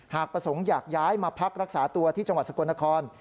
ประสงค์อยากย้ายมาพักรักษาตัวที่จังหวัดสกลนคร